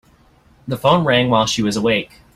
The phone rang while she was awake.